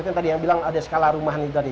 kan tadi yang bilang ada skala rumahan itu tadi